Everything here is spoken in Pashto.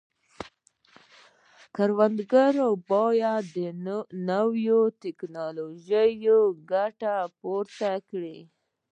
کروندګر باید د نوو ټکنالوژیو څخه ګټه پورته کړي.